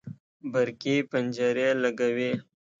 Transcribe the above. برقي پنجرې لګوي